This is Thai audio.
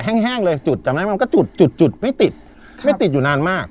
แห้งเลยจุดจำได้ไหมมันก็จุดจุดไม่ติดไม่ติดอยู่นานมาก